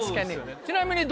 ちなみに。